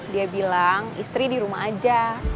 dia bilang istri di rumah aja